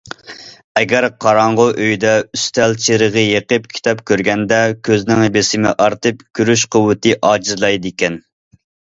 ئەگەر قاراڭغۇ ئۆيدە ئۈستەل چىرىغى يېقىپ كىتاب كۆرگەندە، كۆزنىڭ بېسىمى ئارتىپ، كۆرۈش قۇۋۋىتى ئاجىزلايدىكەن.